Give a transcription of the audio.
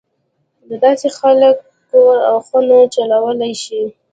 دداسې خلک کور او خونه چلولای شي.